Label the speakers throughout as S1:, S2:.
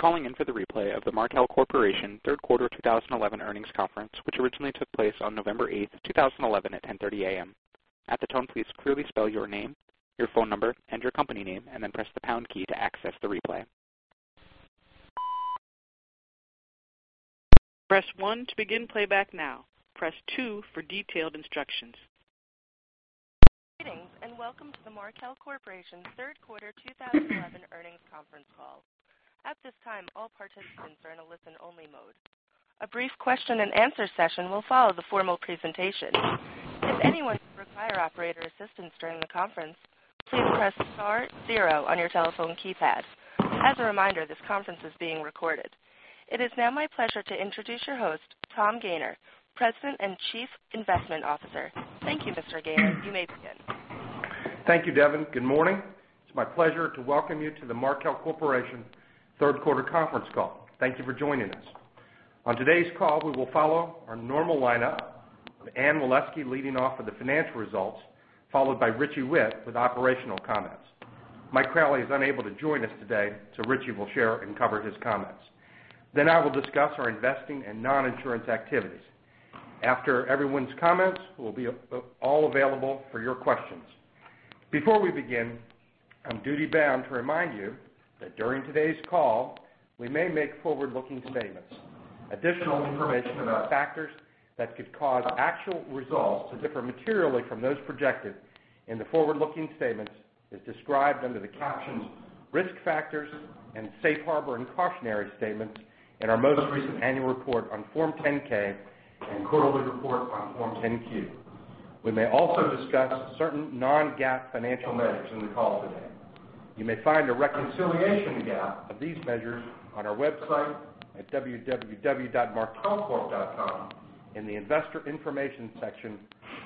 S1: Thank you for calling in for the replay of the Markel Corporation Third Quarter 2011 Earnings Conference, which originally took place on November 8, 2011 at 10:30 A.M. At the tone, please clearly spell your name, your phone number, and your company name, and then press the pound key to access the replay. Press one to begin playback now. Press two for detailed instructions.
S2: Greetings and welcome to the Markel Corpration's Third Quarter 2011 Earnings Conference Call. At this time, all participants are in a listen-only mode. A brief question-and-answer session will follow the formal presentation. If anyone should require operator assistance during the conference, please press star zero on your telephone keypad. As a reminder, this conference is being recorded. It is now my pleasure to introduce your host, Tom Gayner, President and Chief Investment Officer. Thank you, Mr. Gayner. You may begin.
S3: Thank you, Devon. Good morning. It's my pleasure to welcome you to the Markel Corpration Third Quarter Conference call. Thank you for joining us. On today's call, we will follow our normal lineup, with Anne Waleski leading off with the financial results, followed by Richie Whitt with operational comments. Mike Crowley is unable to join us today, so Richie will share and cover his comments. I will discuss our investing and non-insurance activities. After everyone's comments, we will be all available for your questions. Before we begin, I'm duty-bound to remind you that during today's call, we may make forward-looking statements. Additional information about factors that could cause actual results to differ materially from those projected in the forward-looking statements is described under the captions "Risk Factors" and "Safe Harbor and Cautionary Statements" in our most recent annual report on Form 10-K and quarterly report on Form 10-Q. We may also discuss certain non-GAAP financial measures in the call today. You may find a reconciliation to GAAP of these measures on our website at www.markelcorp.com in the Investor Information section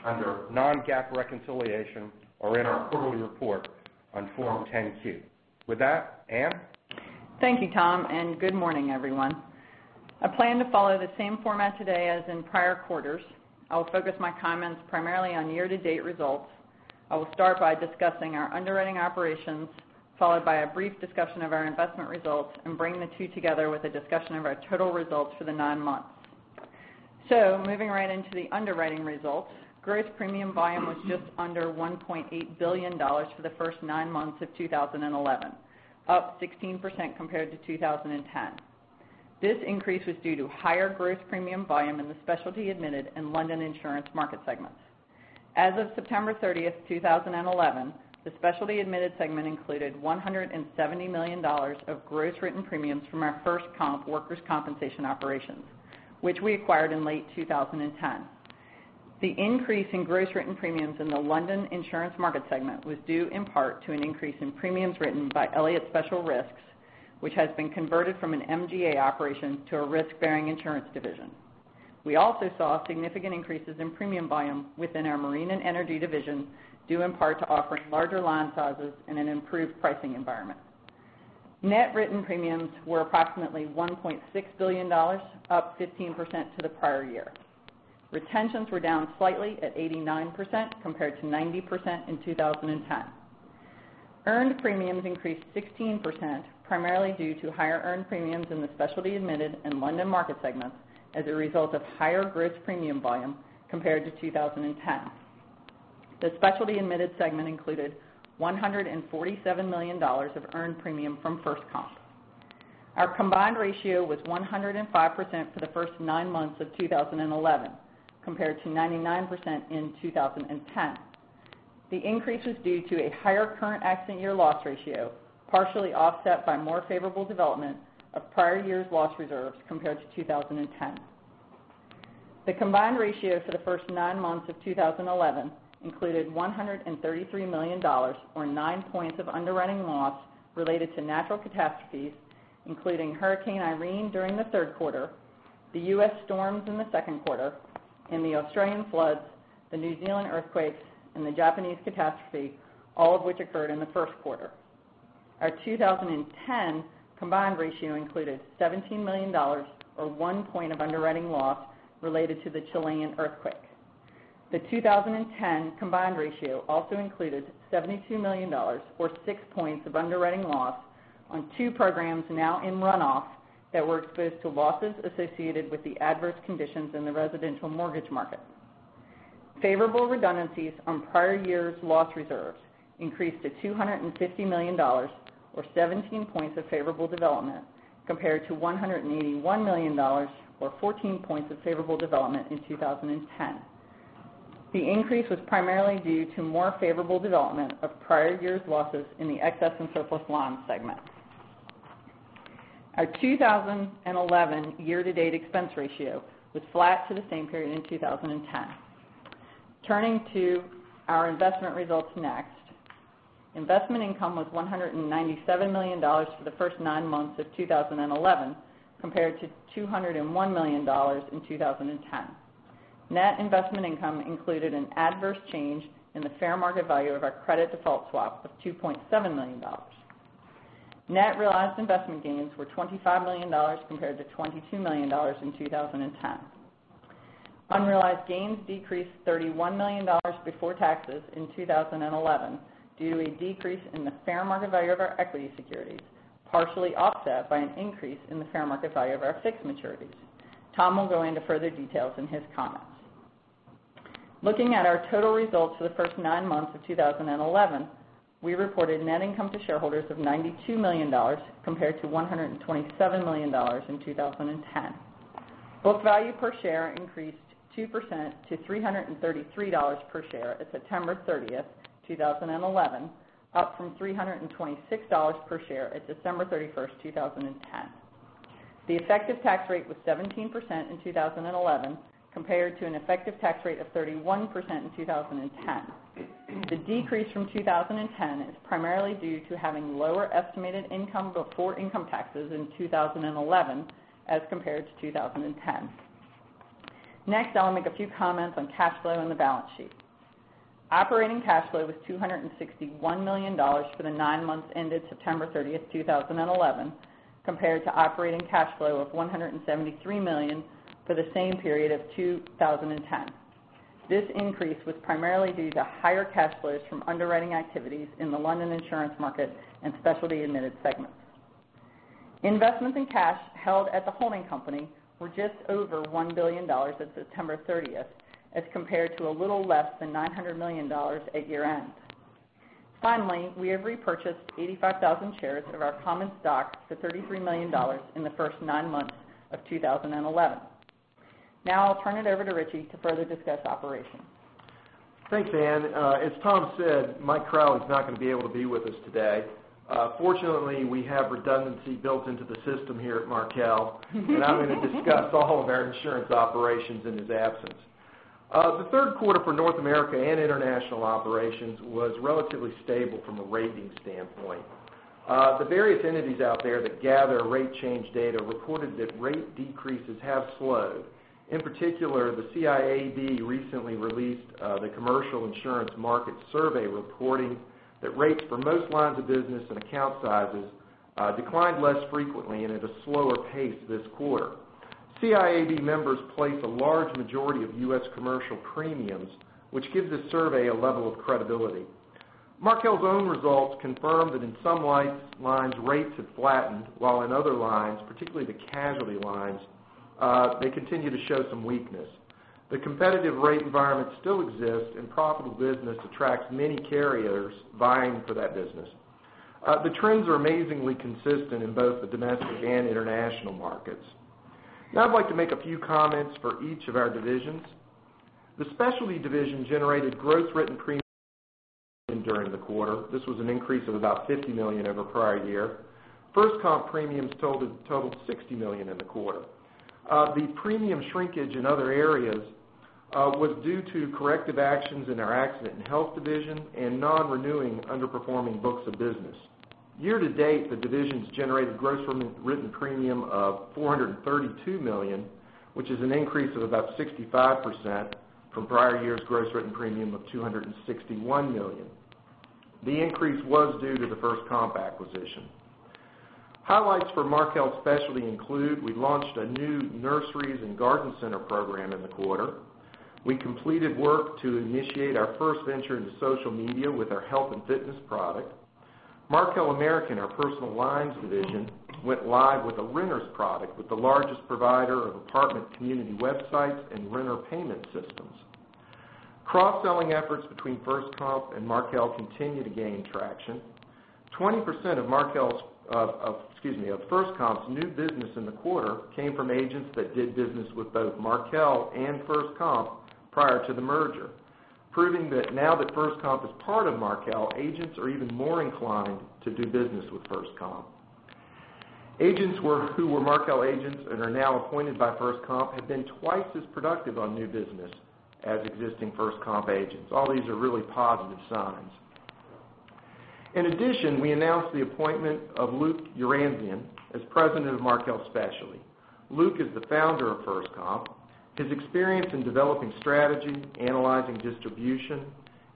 S3: under Non-GAAP Reconciliation or in our quarterly report on Form 10-Q. With that, Anne?
S4: Thank you, Tom, and good morning, everyone. I plan to follow the same format today as in prior quarters. I will focus my comments primarily on year-to-date results. I will start by discussing our underwriting operations, followed by a brief discussion of our investment results, and bring the two together with a discussion of our total results for the nine months. Moving right into the underwriting results, gross premium volume was just under $1.8 billion for the first nine months of 2011, up 16% compared to 2010. This increase was due to higher gross premium volume in the Specialty Admitted and London Insurance market segments. As of September 30th, 2011, the Specialty Admitted segment included $170 million of gross written premiums from our FirstComp Workers’ Compensation operations, which we acquired in late 2010. The increase in gross written premiums in the London Insurance market segment was due in part to an increase in premiums written by Elliott Special Risks, which has been converted from an MGA operation to a risk-bearing insurance division. We also saw significant increases in premium volume within our Marine and Energy division, due in part to offering larger line sizes and an improved pricing environment. Net written premiums were approximately $1.6 billion, up 15% to the prior year. Retentions were down slightly at 89% compared to 90% in 2010. Earned premiums increased 16%, primarily due to higher earned premiums in the Specialty Admitted and London market segments as a result of higher gross premium volume compared to 2010. The Specialty Admitted segment included $147 million of earned premium from FirstComp. Our combined ratio was 105% for the first nine months of 2011, compared to 99% in 2010. The increase was due to a higher current accident year loss ratio, partially offset by more favorable development of prior year's loss reserves compared to 2010. The combined ratio for the first nine months of 2011 included $133 million, or nine points of underwriting loss related to natural catastrophes, including Hurricane Irene during the third quarter, the U.S. storms in the second quarter, and the Australian floods, the New Zealand earthquakes, and the Japanese catastrophe, all of which occurred in the first quarter. Our 2010 combined ratio included $17 million, or one point of underwriting loss related to the Chilean earthquake. The 2010 combined ratio also included $72 million, or six points of underwriting loss on two programs now in runoff that were exposed to losses associated with the adverse conditions in the residential mortgage market. Favorable redundancies on prior year's loss reserves increased to $250 million, or 17 points of favorable development, compared to $181 million, or 14 points of favorable development in 2010. The increase was primarily due to more favorable development of prior year's losses in the excess and surplus lines segment. Our 2011 year-to-date expense ratio was flat to the same period in 2010. Turning to our investment results next, investment income was $197 million for the first nine months of 2011, compared to $201 million in 2010. Net investment income included an adverse change in the fair market value of our credit default swap of $2.7 million. Net realized investment gains were $25 million, compared to $22 million in 2010. Unrealized gains decreased $31 million before taxes in 2011 due to a decrease in the fair market value of our equity securities, partially offset by an increase in the fair market value of our fixed maturities. Tom will go into further details in his comments. Looking at our total results for the first nine months of 2011, we reported net income to shareholders of $92 million, compared to $127 million in 2010. Book value per share increased 2% to $333 per share at September 30th, 2011, up from $326 per share at December 31st, 2010. The effective tax rate was 17% in 2011, compared to an effective tax rate of 31% in 2010. The decrease from 2010 is primarily due to having lower estimated income before income taxes in 2011 as compared to 2010. Next, I will make a few comments on cash flow and the balance sheet. Operating cash flow was $261 million for the nine months ended September 30th, 2011, compared to operating cash flow of $173 million for the same period of 2010. This increase was primarily due to higher cash flows from underwriting activities in the London Insurance market and Specialty Admitted segment. Investments in cash held at the holding company were just over $1 billion at September 30th, as compared to a little less than $900 million at year-end. Finally, we have repurchased 85,000 shares of our common stock for $33 million in the first nine months of 2011. Now I'll turn it over to Richie to further discuss operations.
S5: Thanks, Anne. As Tom said, Mike Crowley's not going to be able to be with us today. Fortunately, we have redundancy built into the system here at Markel, and I'm going to discuss all of our insurance operations in his absence. The third quarter for North America and international operations was relatively stable from a rating standpoint. The various entities out there that gather rate change data reported that rate decreases have slowed. In particular, the CIAD recently released the Commercial Insurance Market Survey reporting that rates for most lines of business and account sizes declined less frequently and at a slower pace this quarter. CIAD members place a large majority of U.S. commercial premiums, which gives the survey a level of credibility. Markel's own results confirm that in some lines, rates have flattened, while in other lines, particularly the casualty lines, they continue to show some weakness. The competitive rate environment still exists, and profitable business attracts many carriers vying for that business. The trends are amazingly consistent in both the domestic and international markets. Now I'd like to make a few comments for each of our divisions. The Specialty Division generated gross written premiums during the quarter. This was an increase of about $50 million over prior year. FirstComp premiums totaled $60 million in the quarter. The premium shrinkage in other areas was due to corrective actions in our Accident and Health Division and non-renewing underperforming books of business. Year-to-date, the divisions generated gross written premium of $432 million, which is an increase of about 65% from prior year's gross written premium of $261 million. The increase was due to the FirstComp acquisition. Highlights for Markel Specialty include we launched a new nurseries and garden center program in the quarter. We completed work to initiate our first venture into social media with our health and fitness product. Markel American, our personal lines division, went live with a renters product with the largest provider of apartment community websites and renter payment systems. Cross-selling efforts between FirstComp and Markel continue to gain traction. 20% of FirstComp's new business in the quarter came from agents that did business with both Markel and FirstComp prior to the merger, proving that now that FirstComp is part of Markel, agents are even more inclined to do business with FirstComp. Agents who were Markel agents and are now appointed by FirstComp have been twice as productive on new business as existing FirstComp agents. All these are really positive signs. In addition, we announced the appointment of Luke Yeransian as President of Markel Specialty. Luke is the founder of FirstComp. His experience in developing strategy, analyzing distribution,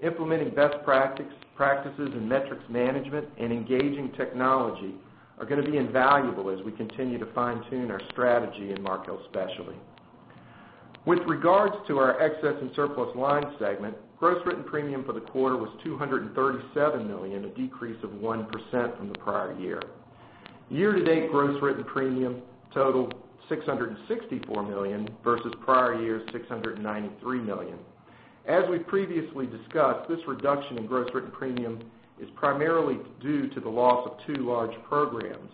S5: implementing best practices and metrics management, and engaging technology are going to be invaluable as we continue to fine-tune our strategy in Markel Specialty. With regards to our excess and surplus lines segment, gross written premium for the quarter was $237 million, a decrease of 1% from the prior year. Year-to-date gross written premium totaled $664 million versus prior year's $693 million. As we've previously discussed, this reduction in gross written premium is primarily due to the loss of two large programs.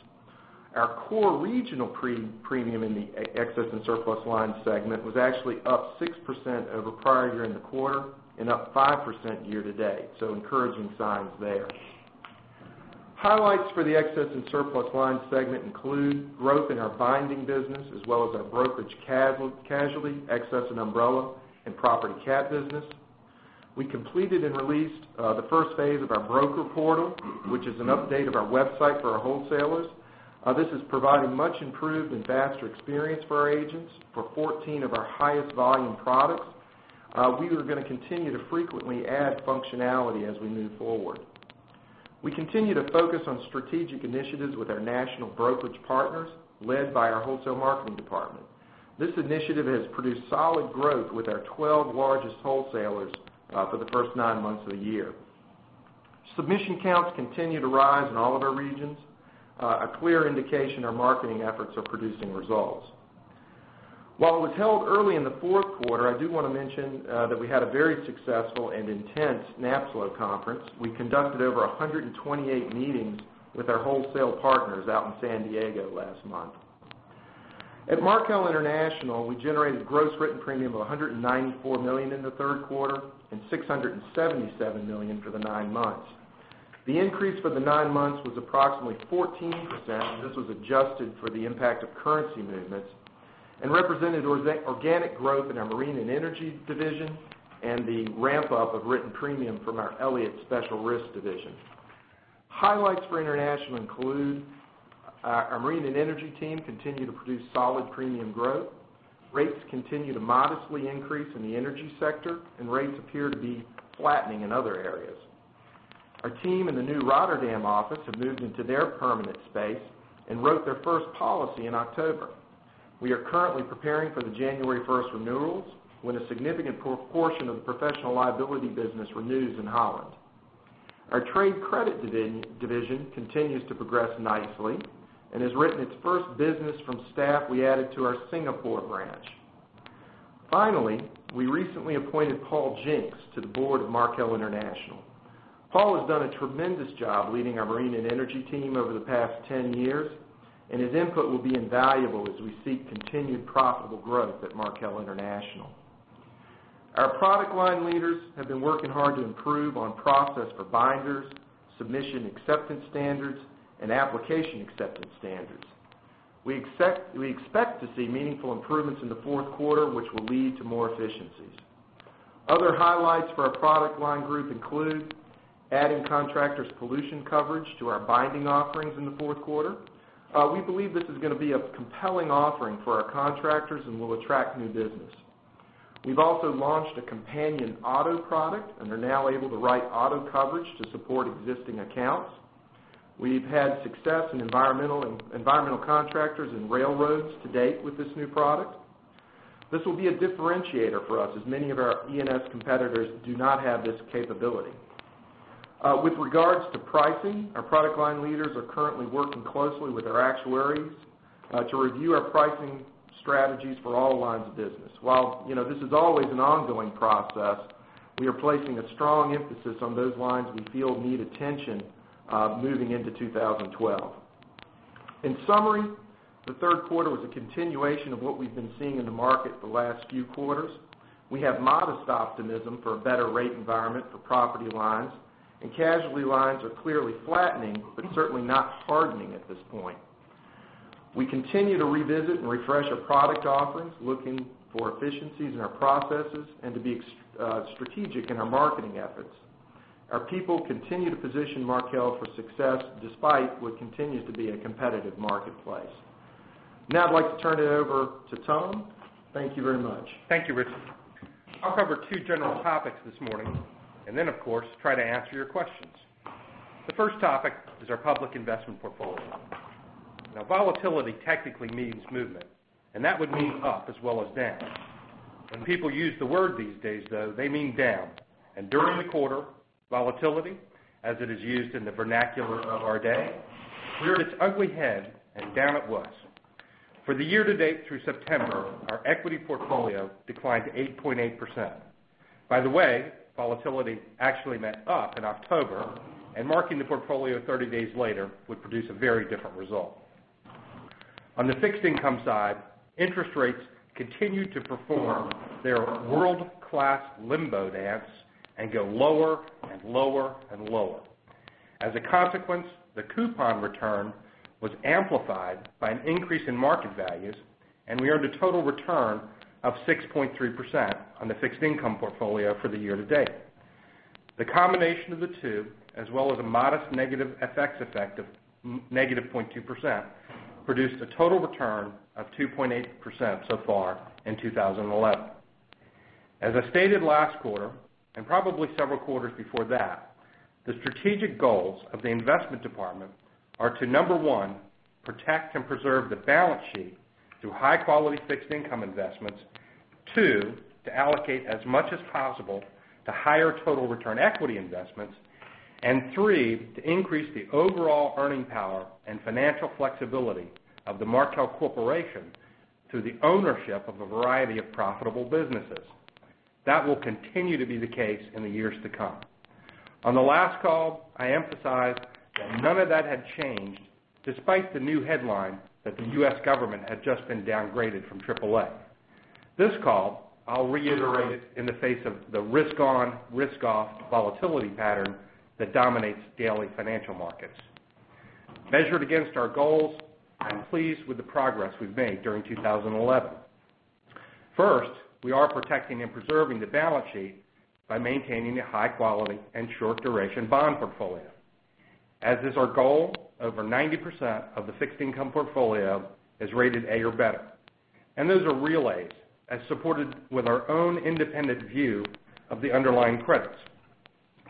S5: Our core regional premium in the excess and surplus lines segment was actually up 6% over prior year in the quarter and up 5% year-to-date, so encouraging signs there. Highlights for the excess and surplus lines segment include growth in our binding business, as well as our brokerage casualty, excess and umbrella, and property cap business. We completed and released the first phase of our broker portal, which is an update of our website for our wholesalers. This has provided a much improved and faster experience for our agents for 14 of our highest volume products. We are going to continue to frequently add functionality as we move forward. We continue to focus on strategic initiatives with our national brokerage partners, led by our wholesale marketing department. This initiative has produced solid growth with our 12 largest wholesalers for the first nine months of the year. Submission counts continue to rise in all of our regions, a clear indication our marketing efforts are producing results. While it was held early in the fourth quarter, I do want to mention that we had a very successful and intense NAPSLO conference. We conducted over 128 meetings with our wholesale partners out in San Diego last month. At Markel International, we generated gross written premium of $194 million in the third quarter and $677 million for the nine months. The increase for the nine months was approximately 14%, and this was adjusted for the impact of currency movements and represented organic growth in our Marine and Energy division and the ramp-up of written premium from our Elliott Special Risk division. Highlights for International include our Marine and Energy team continues to produce solid premium growth. Rates continue to modestly increase in the energy sector, and rates appear to be flattening in other areas. Our team in the new Rotterdam office has moved into their permanent space and wrote their first policy in October. We are currently preparing for the January 1st renewals when a significant portion of the professional liability business renews in Holland. Our trade credit division continues to progress nicely and has written its first business from staff we added to our Singapore branch. Finally, we recently appointed Paul Jenks to the board of Markel International. Paul has done a tremendous job leading our Marine and Energy team over the past 10 years, and his input will be invaluable as we seek continued profitable growth at Markel International. Our product line leaders have been working hard to improve on process for binders, submission acceptance standards, and application acceptance standards. We expect to see meaningful improvements in the fourth quarter, which will lead to more efficiencies. Other highlights for our product line group include adding contractors' pollution coverage to our binding offerings in the fourth quarter. We believe this is going to be a compelling offering for our contractors and will attract new business. We've also launched a companion auto product and are now able to write auto coverage to support existing accounts. We've had success in environmental contractors and railroads to date with this new product. This will be a differentiator for us, as many of our E&S competitors do not have this capability. With regards to pricing, our product line leaders are currently working closely with our actuaries to review our pricing strategies for all lines of business. While this is always an ongoing process, we are placing a strong emphasis on those lines we feel need attention moving into 2012. In summary, the third quarter was a continuation of what we've been seeing in the market the last few quarters. We have modest optimism for a better rate environment for property lines, and casualty lines are clearly flattening but certainly not hardening at this point. We continue to revisit and refresh our product offerings, looking for efficiencies in our processes and to be strategic in our marketing efforts. Our people continue to position Markel for success despite what continues to be a competitive marketplace. Now I'd like to turn it over to Tom. Thank you very much.
S3: Thank you, Richie. I'll cover two general topics this morning and then, of course, try to answer your questions. The first topic is our public investment portfolio. Now, volatility technically means movement, and that would mean up as well as down. When people use the word these days, though, they mean down. During the quarter, volatility, as it is used in the vernacular of our day, reared its ugly head and down it was. For the year-to-date through September, our equity portfolio declined to 8.8%. By the way, volatility actually meant up in October, and marking the portfolio 30 days later would produce a very different result. On the fixed income side, interest rates continued to perform their world-class limbo dance and go lower and lower and lower. As a consequence, the coupon return was amplified by an increase in market values, and we earned a total return of 6.3% on the fixed income portfolio for the year-to-date. The combination of the two, as well as a modest negative FX effect of -0.2%, produced a total return of 2.8% so far in 2011. As I stated last quarter and probably several quarters before that, the strategic goals of the investment department are to, number one, protect and preserve the balance sheet through high-quality fixed income investments, two, to allocate as much as possible to higher total return equity investments, and three, to increase the overall earning power and financial flexibility of the Markel Corporation through the ownership of a variety of profitable businesses. That will continue to be the case in the years to come. On the last call, I emphasized that none of that had changed despite the new headline that the U.S. government had just been downgraded from AAA. This call, I'll reiterate it in the face of the risk-on, risk-off volatility pattern that dominates daily financial markets. Measured against our goals, I'm pleased with the progress we've made during 2011. First, we are protecting and preserving the balance sheet by maintaining a high-quality and short-duration bond portfolio. As is our goal, over 90% of the fixed income portfolio is rated A or better. Those are relays as supported with our own independent view of the underlying credits.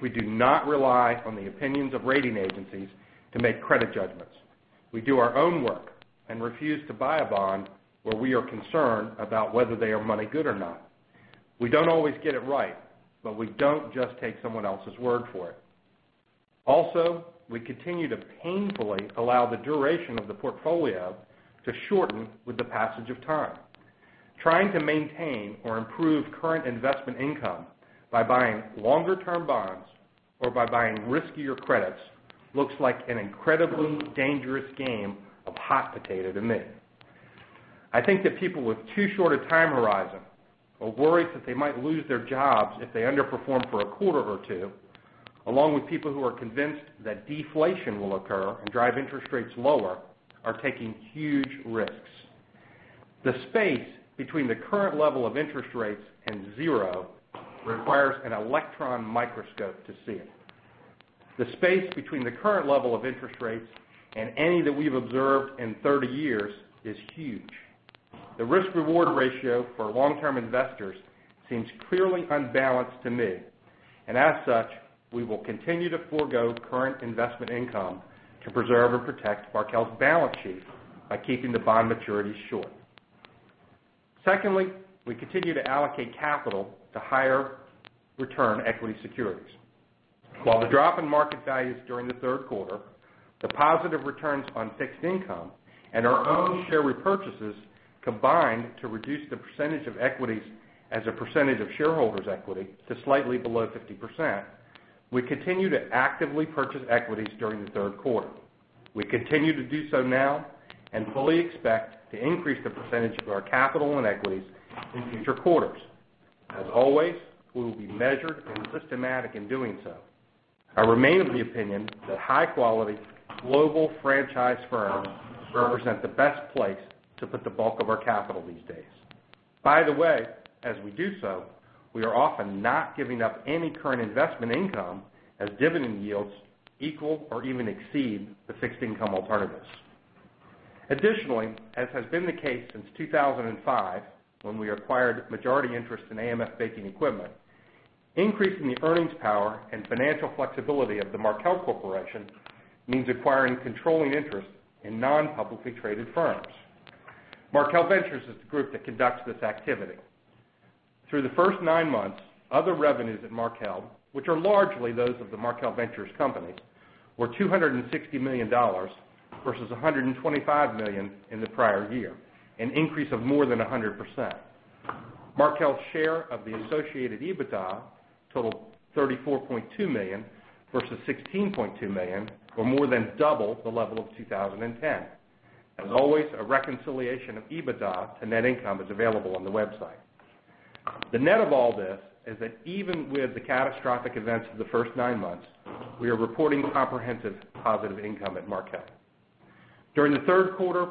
S3: We do not rely on the opinions of rating agencies to make credit judgments. We do our own work and refuse to buy a bond where we are concerned about whether they are money good or not. We don't always get it right, but we don't just take someone else's word for it. Also, we continue to painfully allow the duration of the portfolio to shorten with the passage of time. Trying to maintain or improve current investment income by buying longer-term bonds or by buying riskier credits looks like an incredibly dangerous game of hot potato to me. I think that people with too short a time horizon or worries that they might lose their jobs if they underperform for a quarter or two, along with people who are convinced that deflation will occur and drive interest rates lower, are taking huge risks. The space between the current level of interest rates and zero requires an electron microscope to see it. The space between the current level of interest rates and any that we've observed in 30 years is huge. The risk-reward ratio for long-term investors seems clearly unbalanced to me, and as such, we will continue to forego current investment income to preserve and protect Markel's balance sheets by keeping the bond maturities short. Secondly, we continue to allocate capital to higher return equity securities. While the drop in market values during the third quarter, the positive returns on fixed income and our own share repurchases combined to reduce the percentage of equities as a percentage of shareholders' equity to slightly below 50%, we continue to actively purchase equities during the third quarter. We continue to do so now and fully expect to increase the percentage of our capital in equities in future quarters. As always, we will be measured and systematic in doing so. I remain of the opinion that high-quality global franchise firms represent the best place to put the bulk of our capital these days. By the way, as we do so, we are often not giving up any current investment income as dividend yields equal or even exceed the fixed income alternatives. Additionally, as has been the case since 2005 when we acquired majority interest in AMF Baking Equipment, increasing the earnings power and financial flexibility of the Markel Corporation means acquiring controlling interest in non-publicly traded firms. Markel Ventures is the group that conducts this activity. Through the first nine months, other revenues at Markel, which are largely those of the Markel Ventures companies, were $260 million versus $125 million in the prior year, an increase of more than 100%. Markel's share of the associated EBITDA totaled $34.2 million versus $16.2 million, or more than double the level of 2010. As always, a reconciliation of EBITDA to net income is available on the website. The net of all this is that even with the catastrophic events of the first nine months, we are reporting comprehensive positive income at Markel. During the third quarter,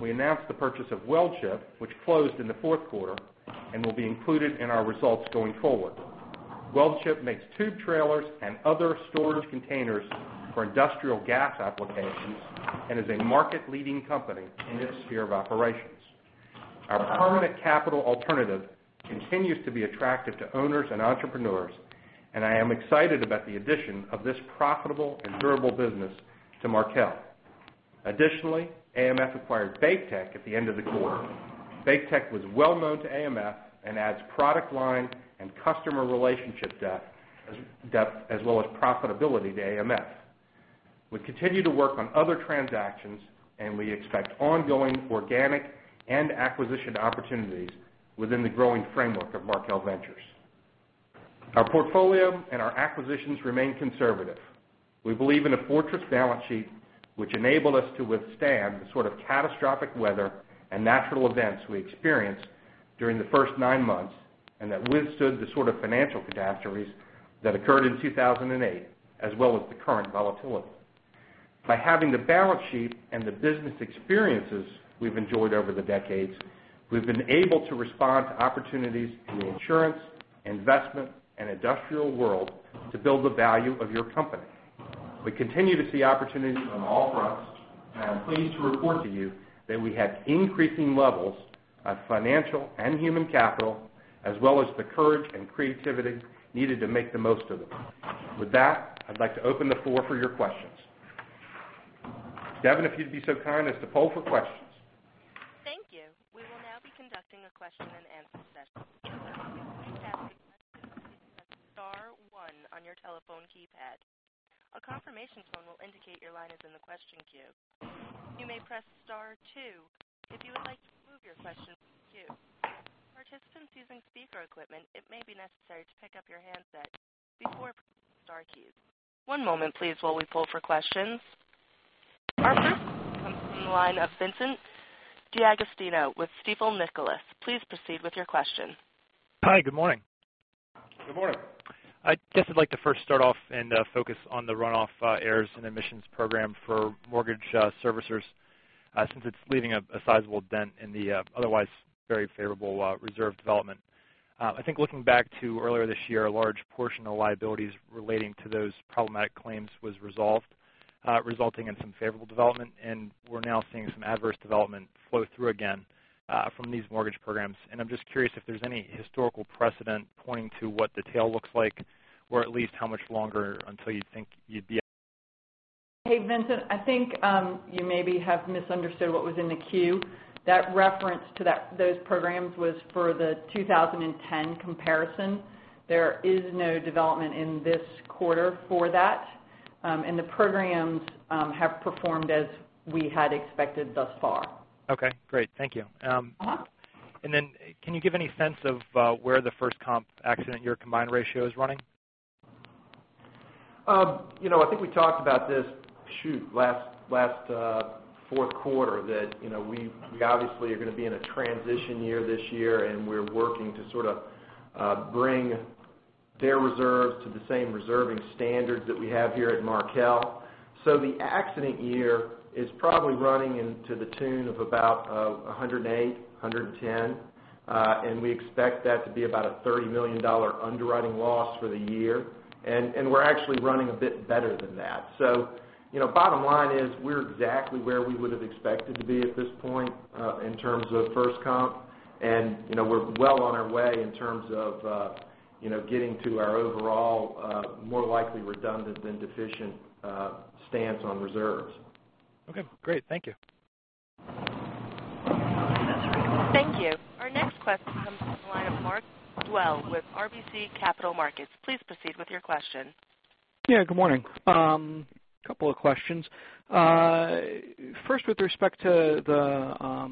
S3: we announced the purchase of Weldship, which closed in the fourth quarter and will be included in our results going forward. Weldship makes tube trailers and other storage containers for industrial gas applications and is a market-leading company in its sphere of operations. Our permanent capital alternative continues to be attractive to owners and entrepreneurs, and I am excited about the addition of this profitable and durable business to Markel. Additionally, AMF acquired BakeTech at the end of the quarter. BakeTech was well known to AMF and adds product line and customer relationship depth as well as profitability to AMF. We continue to work on other transactions, and we expect ongoing organic and acquisition opportunities within the growing framework of Markel Ventures. Our portfolio and our acquisitions remain conservative. We believe in a fortress balance sheet which enabled us to withstand the sort of catastrophic weather and natural events we experienced during the first nine months and that withstood the sort of financial catastrophes that occurred in 2008, as well as the current volatility. By having the balance sheet and the business experiences we've enjoyed over the decades, we've been able to respond to opportunities in the insurance, investment, and industrial world to build the value of your company. We continue to see opportunities on all fronts, and I'm pleased to report to you that we have increasing levels of financial and human capital, as well as the courage and creativity needed to make the most of them. With that, I'd like to open the floor for your questions. Devon, if you'd be so kind as to poll for questions.
S2: Thank you. We will now be conducting a question and answer session. If you'd like to ask a question, please press star one on your telephone keypad. A confirmation tone will indicate your line is in the question queue. You may press star two if you would like to move your question to the queue. Participants using speaker equipment, it may be necessary to pick up your handset before pressing star keys. One moment, please, while we poll for questions. Our first question comes from the line of Vincent D'Agostino with Stifel Nicolaus. Please proceed with your question.
S6: Hi, good morning.
S3: Good morning.
S6: I guess I'd like to first start off and focus on the runoff errors and omissions program for mortgage servicers since it's leaving a sizable dent in the otherwise very favorable reserve development. I think looking back to earlier this year, a large portion of liabilities relating to those problematic claims was resolved, resulting in some favorable development. We're now seeing some adverse development flow through again from these mortgage programs. I'm just curious if there's any historical precedent pointing to what the tail looks like or at least how much longer until you think you'd be.
S4: Hey, Vincent. I think you maybe have misunderstood what was in the queue. That reference to those programs was for the 2010 comparison. There is no development in this quarter for that, and the programs have performed as we had expected thus far.
S6: Okay, great. Thank you.
S4: Wow.
S6: Can you give any sense of where the FirstComp accident year combined ratio is running?
S3: I think we talked about this last fourth quarter that you know we obviously are going to be in a transition year this year, and we're working to sort of bring their reserves to the same reserving standard that we have here at Markel. The accident year is probably running in the tune of about $108, $110, and we expect that to be about a $30 million underwriting loss for the year. We're actually running a bit better than that. Bottom line is we're exactly where we would have expected to be at this point in terms of FirstComp, and we're well on our way in terms of getting to our overall more likely redundant than deficient stance on reserves.
S6: Okay, great. Thank you.
S2: Thank you. Our next question comes from the line of Mark Dwelle with RBC Capital Markets. Please proceed with your question.
S7: Good morning. A couple of questions. First, with respect to the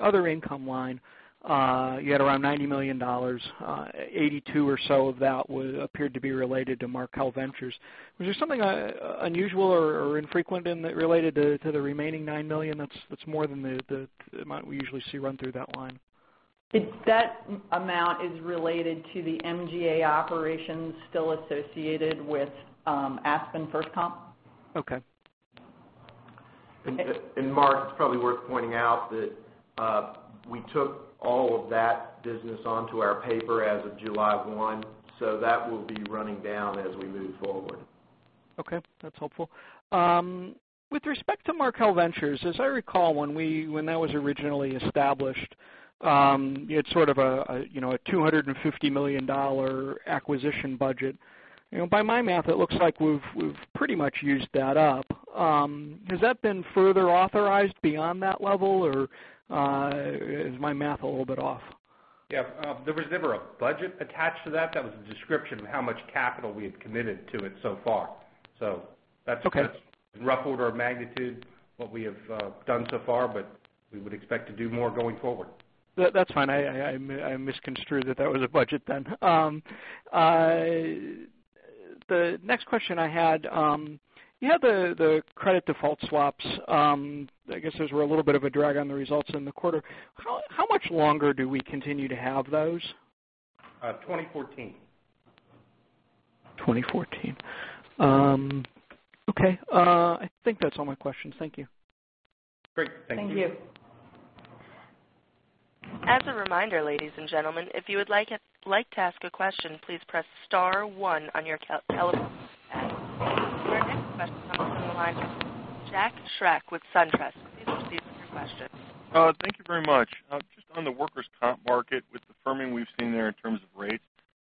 S7: other income line, you had around $90 million. $82 million or so of that appeared to be related to Markel Ventures. Was there something unusual or infrequent related to the remaining $9 million that's more than the amount we usually see run through that line?
S4: That amount is related to the MGA operations still associated with FirstComp.
S7: Okay.
S3: Mark, it's probably worth pointing out that we took all of that business onto our paper as of July 1, so that will be running down as we move forward.
S7: Okay, that's helpful. With respect to Markel Ventures, as I recall, when that was originally established, you had sort of a $250 million acquisition budget. By my math, it looks like we've pretty much used that up. Has that been further authorized beyond that level, or is my math a little bit off?
S3: Yeah, there was never a budget attached to that. That was a description of how much capital we had committed to it so far. That's rough order of magnitude what we have done so far, but we would expect to do more going forward.
S7: That's fine. I misconstrued that that was a budget then. The next question I had, you had the credit default swaps. I guess those were a little bit of a drag on the results in the quarter. How much longer do we continue to have those?
S3: 2014.
S7: 2014. Okay, I think that's all my questions. Thank you.
S3: Great. Thank you.
S4: Thank you.
S2: As a reminder, ladies and gentlemen, if you would like to ask a question, please press star one on your telephone. Our next question comes from the line of Jack Schreck with SunTrust. Please proceed with your question.
S8: Thank you very much. Just on the workers’ compensation market, with the firming we’ve seen there in terms of rates,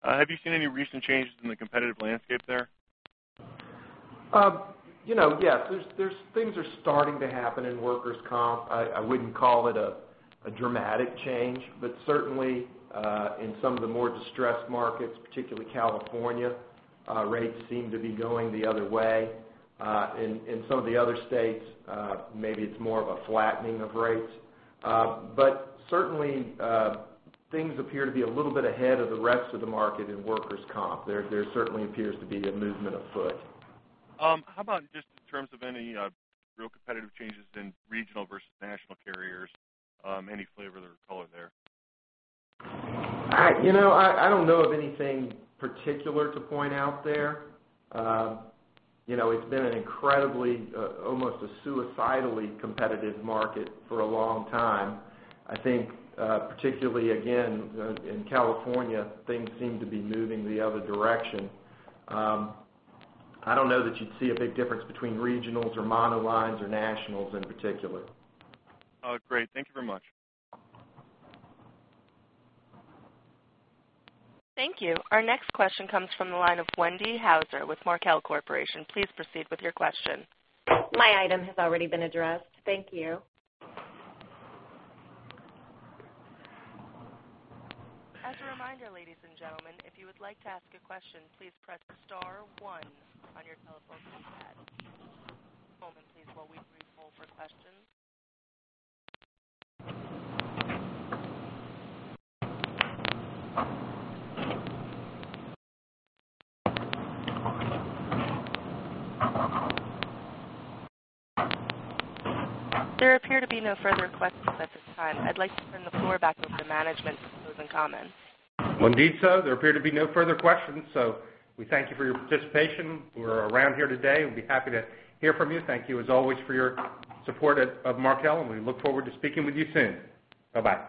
S8: have you seen any recent changes in the competitive landscape there?
S3: Yeah, there are things that are starting to happen in workers’ compensation. I wouldn’t call it a dramatic change, but certainly in some of the more distressed markets, particularly California, rates seem to be going the other way. In some of the other states, maybe it’s more of a flattening of rates. Certainly, things appear to be a little bit ahead of the rest of the market in workers’ compensation. There certainly appears to be a movement afoot.
S8: How about just in terms of any real competitive changes in regional versus national carriers? Any flavor or color there?
S3: I don't know of anything particular to point out there. It's been an incredibly, almost a suicidally competitive market for a long time. I think particularly, again, in California, things seem to be moving the other direction. I don't know that you'd see a big difference between regionals or mono lines or nationals in particular.
S8: Great. Thank you very much.
S2: Thank you. Our next question comes from the line of Wendy Hauser with Markel Corporation. Please proceed with your question.
S9: My item has already been addressed. Thank you.
S2: As a reminder, ladies and gentlemen, if you would like to ask a question, please press star one on your telephone keypad. A moment, please, while we poll for questions. There appear to be no further questions at this time. I'd like to turn the floor back over to management for closing comments.
S3: Indeed, sir. There appear to be no further questions. We thank you for your participation. We're around here today. We'd be happy to hear from you. Thank you, as always, for your support of Markel, and we look forward to speaking with you soon. Bye-bye.